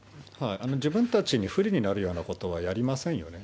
自分たちに不利になるようなことはやりませんよね。